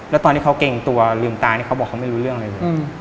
แล้วตอนที่เขาเกรงตัวลืมตาเนี่ยเขาบอกเขาไม่รู้เรื่องเลย